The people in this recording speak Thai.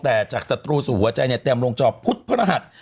แต่จากสตูสู่หัวใจเนี่ยเต็มรองจอพุธพระหัตน์